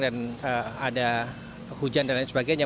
dan ada hujan dan sebagainya